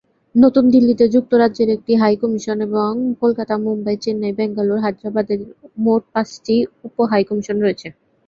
নতুন দিল্লিতে যুক্তরাজ্যের একটি হাই কমিশন এবং কলকাতা, মুম্বই, চেন্নাই, ব্যাঙ্গালোর ও হায়দরাবাদে মোট পাঁচটি উপ হাই কমিশন রয়েছে।